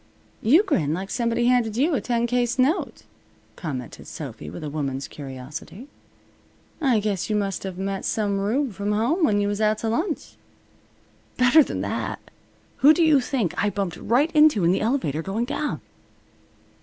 "You grin like somebody handed you a ten case note," commented Sophy, with a woman's curiosity. "I guess you must of met some rube from home when you was out t' lunch." "Better than that! Who do you think I bumped right into in the elevator going down?"